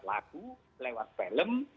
lagu lewat film